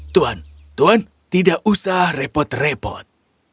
tuan tuan tidak usah repot repot